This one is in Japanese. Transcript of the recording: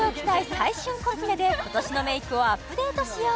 最旬コスメで今年のメイクをアップデートしよう